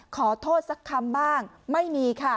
ขอโทษสักคำบ้างไม่มีค่ะ